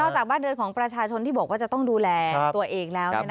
จากบ้านเรือนของประชาชนที่บอกว่าจะต้องดูแลตัวเองแล้ว